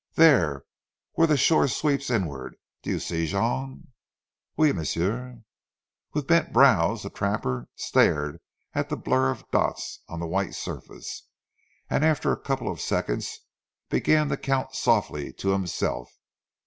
"There, where the shore sweeps inward! Do you see, Jean?" "Oui, m'sieu." With bent brows the trapper stared at the blur of dots on the white surface, and after a couple of seconds began to count softly to himself.